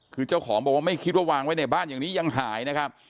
คือเจ้าของบอกว่าไม่คิดว่าวางไว้ในบ้านอย่างนี้ยังหายนะครับ